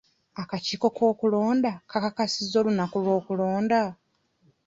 Akakiiko k'okulonda kakasizza olunaku lw'okulonda?